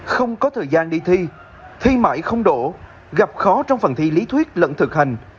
không có thời gian đi thi thi mãi không đổ gặp khó trong phần thi lý thuyết lẫn thực hành